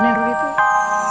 gak tau ya